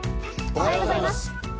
おはようございます。